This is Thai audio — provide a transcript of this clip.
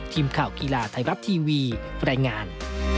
ทีมข่าวกีฬาไทยรัฐทีวีรายงาน